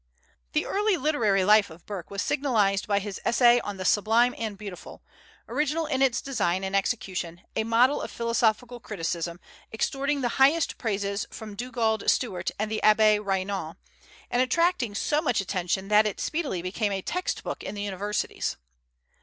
The early literary life of Burke was signalized by his essay on "The Sublime and Beautiful," original in its design and execution, a model of philosophical criticism, extorting the highest praises from Dugald Stewart and the Abbé Raynal, and attracting so much attention that it speedily became a text book in the universities.